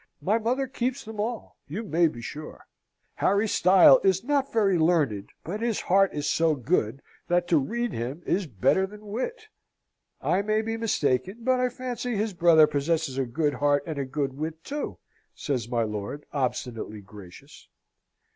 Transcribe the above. My mother keeps them all, you may be sure. Harry's style is not very learned, but his heart is so good, that to read him is better than wit." "I may be mistaken, but I fancy his brother possesses a good heart and a good wit, too!" says my lord, obstinately gracious.